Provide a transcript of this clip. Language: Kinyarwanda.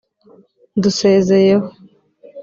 ndusezeyeho